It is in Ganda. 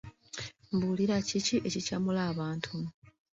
Mbuulira, ki ekikyamula abantu?